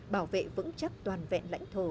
bảo vệ vững chắc toàn vẹn lãnh thổ